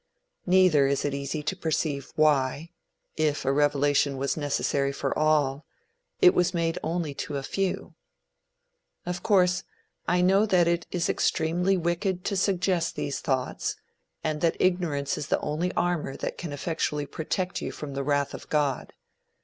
Neither is it easy to perceive why, if a revelation was necessary for all, it was made only to a few. Of course, I know that it is extremely wicked to suggest these thoughts, and that ignorance is the only armor that can effectually protect you from the wrath of God.